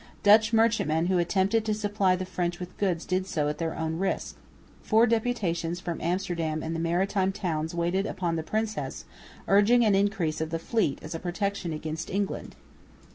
Dutch merchantmen who attempted to supply the French with goods did so at their own risk. Four deputations from Amsterdam and the maritime towns waited upon the princess, urging an increase of the fleet as a protection against England.